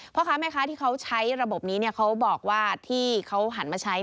พ่อค้าแม่ค้าที่เขาใช้ระบบนี้เขาบอกว่าที่เขาหันมาใช้